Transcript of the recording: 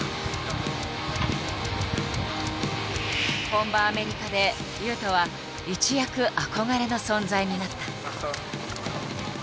本場アメリカで雄斗は一躍憧れの存在になった。